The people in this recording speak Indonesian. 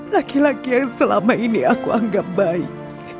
laki laki yang selama ini aku anggap baik